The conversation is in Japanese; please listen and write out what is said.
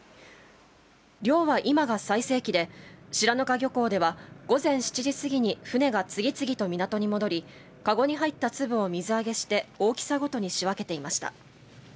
漁は、いまが最盛期で白糠漁港では午前７時過ぎに船が次々と港に戻りかごに入ったつぶを水揚げして大きさごとに仕分けていました。